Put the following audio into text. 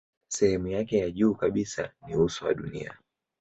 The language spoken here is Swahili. Sehemu yake ya juu kabisa ni uso wa dunia.